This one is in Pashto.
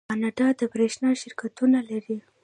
کاناډا د بریښنا شرکتونه لري.